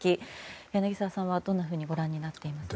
柳澤さんはどんなふうにご覧になっていますか。